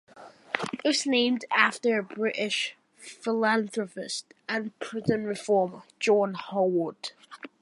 It was named after a British philanthropist and prison reformer, John Howard.